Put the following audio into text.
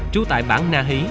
trú tại bảng na hí